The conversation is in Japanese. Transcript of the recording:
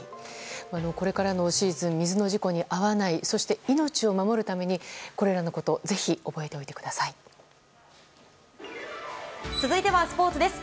これからのシーズン水の事故に遭わないそして命を守るためにこれらのこと続いてはスポーツです。